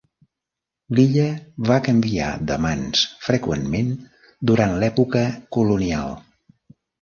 L"illa va canviar de mans freqüentment durant l"època colonial.